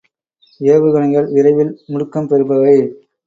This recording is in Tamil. ஏவுகணைகள் விரைவில் முடுக்கம் பெறுபவை.